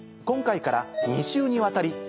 今回から２週にわたり。